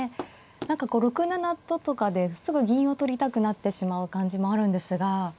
何かこう６七ととかですぐ銀を取りたくなってしまう感じもあるんですが。